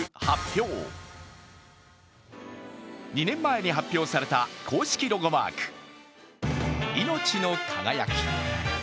２年前に発表された公式ロゴマーク、いのちの輝き。